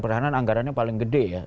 pertahanan anggarannya paling gede ya